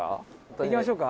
「行きましょうか。